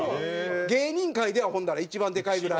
芸人界ではほんだら一番でかいぐらい？